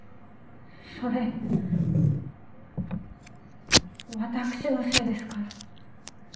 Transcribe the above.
それ私のせいですから。